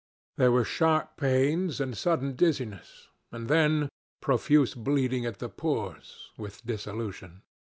There were sharp pains, and sudden dizziness, and then profuse bleeding at the pores, with dissolution.